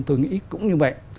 tôi nghĩ cũng như vậy